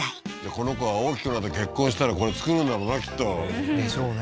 この子は大きくなって結婚したらこれ作るんだろうなきっとでしょうね